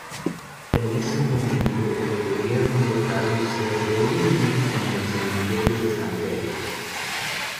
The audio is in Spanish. En ese momento el gobierno local se reúne en el cementerio de San Pedro.